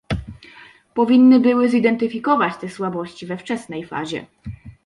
Powinny były zidentyfikować te słabości we wczesnej fazie